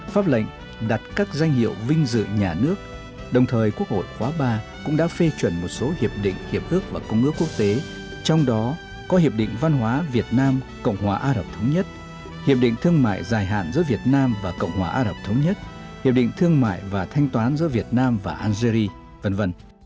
pháp lệnh đặt các danh hiệu vinh dự nhà nước đồng thời quốc hội khóa ba cũng đã phê chuẩn một số hiệp định hiệp ước và công ước quốc tế trong đó có hiệp định văn hóa việt nam cộng hòa á rập thống nhất hiệp định thương mại dài hạn giữa việt nam và cộng hòa á rập thống nhất hiệp định thương mại và thanh toán giữa việt nam và algeria v v